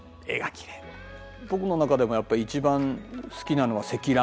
僕の中でもやっぱり一番好きなのは積乱雲なんですよね。